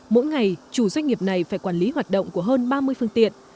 mỗi ngày chủ doanh nghiệp này phải quản lý hoạt động của hơn ba mươi phương tiện